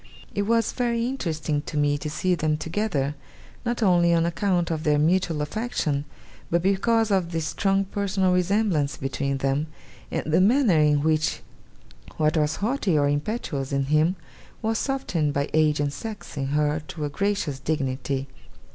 It was very interesting to me to see them together, not only on account of their mutual affection, but because of the strong personal resemblance between them, and the manner in which what was haughty or impetuous in him was softened by age and sex, in her, to a gracious dignity.